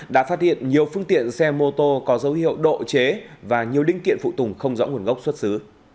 đã phát hiện nhiều phương tiện xe mô tô có dấu hiệu độ chế và nhiều đinh kiện phụ tùng không rõ nguồn gốc xuất xứ